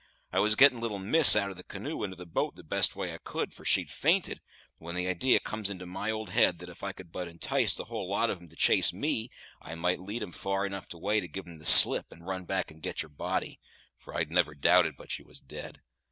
I was getting little miss here out of the canoe into the boat the best way I could, for she'd fainted, when the idee comes into my old head that if I could but entice the whole lot of 'em to chase me, I might lead 'em far enough away to give 'em the slip and run back and get your body for I never doubted but what you was dead.